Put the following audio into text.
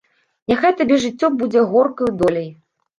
Няхай табе жыццё будзе горкаю доляй.